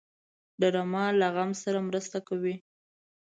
ډرامه له غم سره مرسته کوي